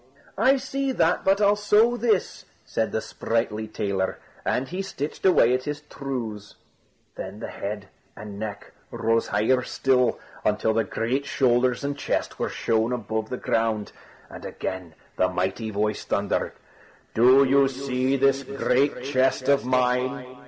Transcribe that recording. "I see that, but I'll sew this!" said the sprightly tailor; and he stitched away at his trews. Then the head and neck rose higher still, until the great shoulders and chest were shown above the ground. And again the mighty voice thundered: "Do you see this great chest of mine?"